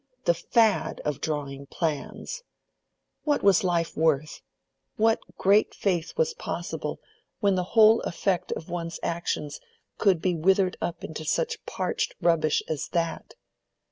The fad of drawing plans! What was life worth—what great faith was possible when the whole effect of one's actions could be withered up into such parched rubbish as that?